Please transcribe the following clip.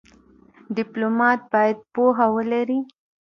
ډيپلومات باید پوهه ولري.